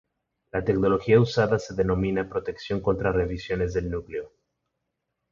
La tecnología usada se denomina "Protección contra revisiones del núcleo".